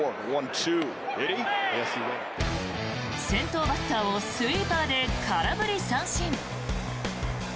先頭バッターをスイーパーで空振り三振。